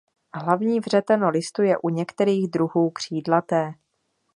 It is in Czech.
Hlavní vřeteno listu je u některých druhů křídlaté.